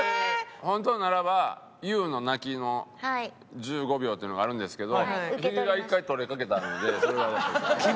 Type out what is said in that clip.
本当ならばＹＯＵの泣きの１５秒っていうのがあるんですけどヒゲが１回取れかけたんでそれはやっぱり。